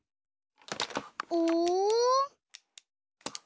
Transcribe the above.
お？